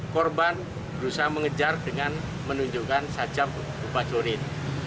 korban berusaha mengejar dengan menunjukkan sajab rupacorin